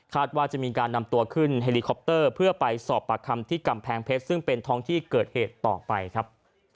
ว่าจะมีการนำตัวขึ้นเฮลิคอปเตอร์เพื่อไปสอบปากคำที่กำแพงเพชรซึ่งเป็นท้องที่เกิดเหตุต่อไปครับ